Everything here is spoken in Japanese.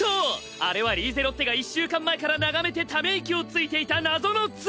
あれはリーゼロッテが１週間前から眺めてため息をついていた謎の杖。